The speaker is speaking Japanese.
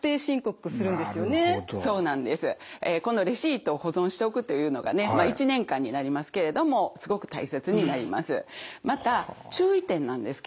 このレシートを保存しておくというのがね１年間になりますけれどもすごく大切になります。